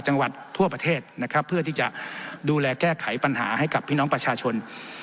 จังหวัดทั่วประเทศนะครับเพื่อที่จะดูแลแก้ไขปัญหาให้กับพี่น้องประชาชน